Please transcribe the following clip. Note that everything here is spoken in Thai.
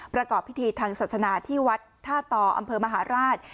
ประกอบพิธีทางศาสนาที่วัดท่าต่ออำเภอมหาราช